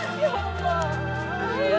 ayolah bapak ya